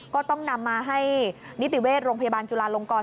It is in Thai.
ก็ต้องนำมาให้นิติเวชโรงพยาบาลจุลาลงกร